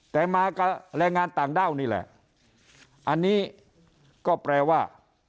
แต่มากับแรงงานต่างด้าวนี่แหละอันนี้ก็แปลว่า